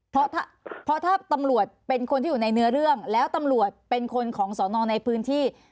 เพราะถ้าตำรวจเป็นคนที่อยู่ในเนื้อเรื่องแล้วตำรวจเป็นคนของสอนอในพื้นที่